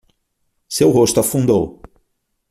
Seu rosto afundou